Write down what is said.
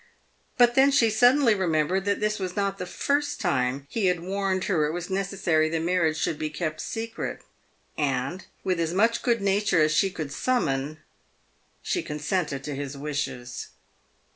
But then she sud denly remembered that this was not the first time he had warned her it was necessary the marriage should be kept secret, and, with as much good nature as she could summon, she consented to his wishes.